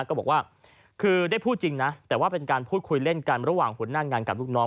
ก็บอกว่าคือได้พูดจริงนะแต่ว่าเป็นการพูดคุยเล่นกันระหว่างหัวหน้างานกับลูกน้อง